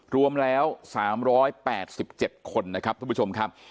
รวมแล้วสามร้อยแปดสิบเจ็ดคนนะครับท่านผู้ชมครับ